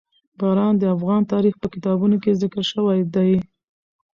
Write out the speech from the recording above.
باران د افغان تاریخ په کتابونو کې ذکر شوي دي.